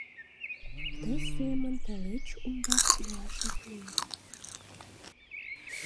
Ты семын тылеч умбак илаш ок лий.